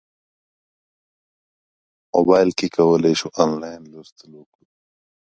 موبایل کې کولی شو انلاین لوستل وکړو.